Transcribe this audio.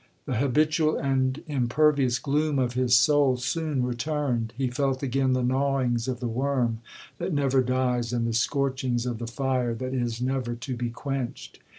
The habitual and impervious gloom of his soul soon returned. He felt again the gnawings of the worm that never dies, and the scorchings of the fire that is never to be quenched.